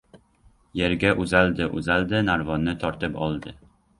Yerga uzaldi-uzaldi, narvonni tortib oldi.